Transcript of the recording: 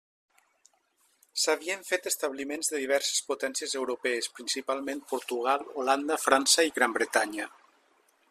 S'havien fet establiments de diverses potències europees principalment Portugal, Holanda, França i Gran Bretanya.